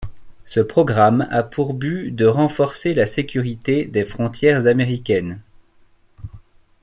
Ce programme a pour but de renforcer la sécurité des frontières américaines.